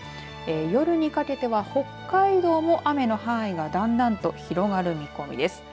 夜にかけては、北海道も雨の範囲がだんだんと広がる見込みです。